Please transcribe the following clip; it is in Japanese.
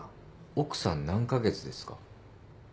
奥さん何カ月ですか？